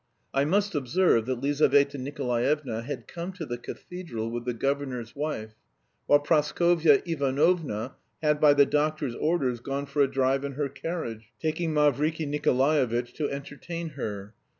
I must observe that Lizaveta Nikolaevna had come to the cathedral with the governor's wife, while Praskovya Ivanovna had by the doctor's orders gone for a drive in her carriage, taking Mavriky Nikolaevitch to entertain her.